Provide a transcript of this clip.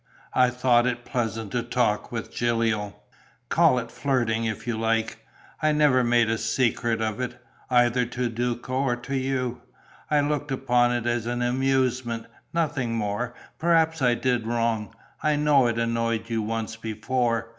I thought it pleasant to talk with Gilio; call it flirting, if you like. I never made a secret of it, either to Duco or to you. I looked upon it as an amusement, nothing more. Perhaps I did wrong; I know it annoyed you once before.